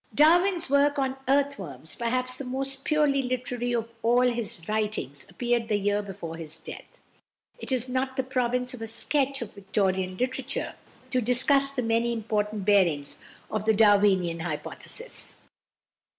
Darwin's work on "Earth Worms," perhaps the most purely literary of all his writings, appeared the year before his death. It is not the province of a sketch of Victorian literature to discuss the many important bearings of the Darwinian hypothesis.